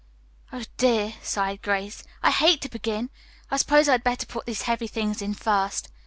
"Oh, dear," sighed Grace, "I hate to begin. I suppose I had better put these heavy things in first."